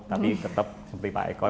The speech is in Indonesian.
tapi tetap seperti pak eko